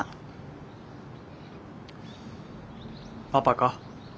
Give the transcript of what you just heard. パパか？